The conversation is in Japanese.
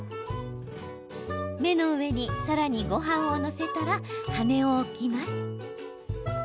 目の上にさらに、ごはんを載せたら羽を置きます。